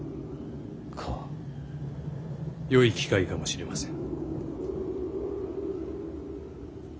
よい機会かもしれません。